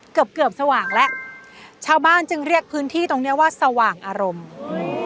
เกือบเกือบสว่างแล้วชาวบ้านจึงเรียกพื้นที่ตรงเนี้ยว่าสว่างอารมณ์อืม